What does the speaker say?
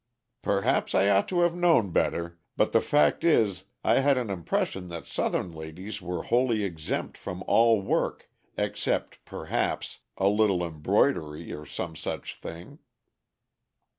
"Perhaps I ought to have known better, but the fact is I had an impression that Southern ladies were wholly exempt from all work except, perhaps, a little embroidery or some such thing."